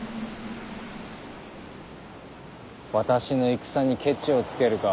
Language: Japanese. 私の戦にケチをつけるか。